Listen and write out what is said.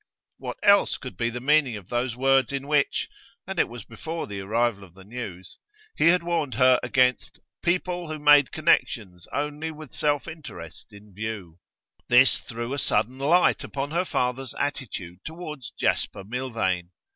What else could be the meaning of those words in which (and it was before the arrival of the news) he had warned her against 'people who made connections only with self interest in view?' This threw a sudden light upon her father's attitude towards Jasper Milvain.